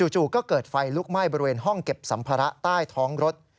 จู่ก็เกิดไฟลุกไหม้บริเวณห้องเก็บสัมภาระใต้ท้องรถ